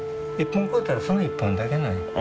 １本買うたらその１本だけなんや。